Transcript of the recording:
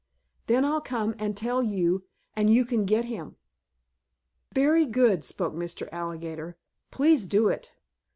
Then I'll come and tell you and you can get him." "Very good," spoke Mr. Alligator. "Please do it."